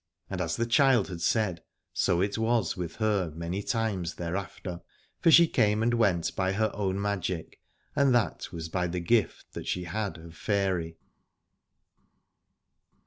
And as the child had said, so it was with her many times thereafter : for she came and went by her own magic, and that was by the gift that she had of faery.